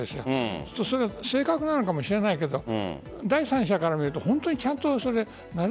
そうすると正確なのかもしれないけど第三者から見ると本当にちゃんと。